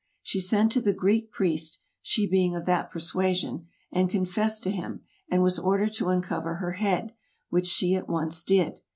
She sent to the Greek priest (she being of that persuasion), and confessed to him, and was ordered to uncover her head, which she at once did."